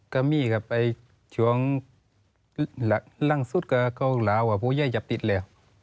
ก็มีครับไอ้จ๊วงลักษุกรเกาเหร้าอ่ะผู้ใหญ่จับติดแล้ว